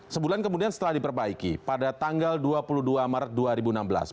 sebulan kemudian setelah diperbaiki pada tanggal dua puluh dua maret dua ribu enam belas